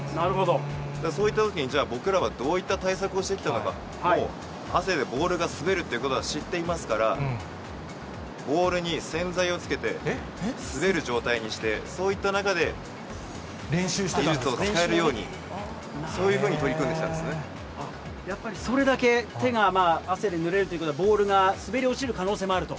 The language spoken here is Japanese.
そういったときに、じゃあ、僕らはどういった対策をしてきたのか、もう汗でボールが滑るっていうことは知っていますから、ボールに洗剤をつけて滑る状態にして、そういった中で技術を使えるように、そういうふうに取り組んできやっぱり、それだけ手が汗でぬれるということは、ボールが滑り落ちる可能性もあると。